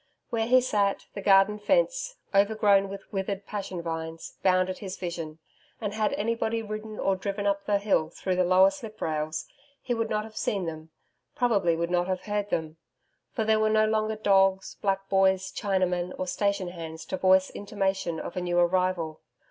Where he sat, the garden fence, overgrown with withered passion vines, bounded his vision, and had anybody ridden or driven up the hill through the lower sliprails, he would not have seen them, probably would not have heard them. For there were no longer dogs, black boys, Chinamen or station hands to voice intimation of a new arrival.